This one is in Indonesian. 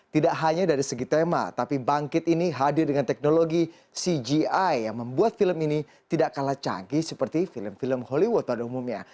tidak hanya dari segi tema tapi bangkit ini hadir dengan teknologi cgi yang membuat film ini tidak kalah canggih seperti film film hollywood pada umumnya